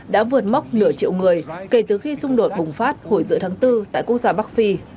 đã vượt mốc nửa triệu người kể từ khi xung đột bùng phát hồi giữa tháng bốn tại quốc gia bắc phi